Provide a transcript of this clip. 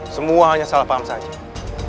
semua hanya salah paham saja